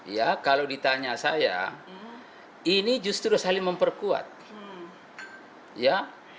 ya kalau ditanya saya ini justru saling memperkuat ya